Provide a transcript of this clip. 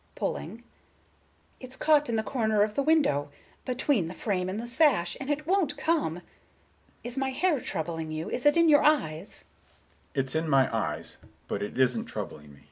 —pulling. "It's caught in the corner of the window, between the frame and the sash, and it won't come! Is my hair troubling you? Is it in your eyes?" Mr. Richards: "It's in my eyes, but it isn't troubling me.